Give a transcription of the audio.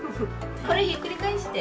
これひっくり返して。